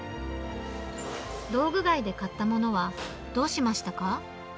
道具街で買ったものはどうしましたか？